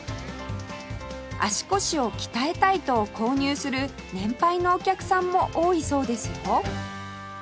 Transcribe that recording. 足腰を鍛えたいと購入する年配のお客さんも多いそうですよ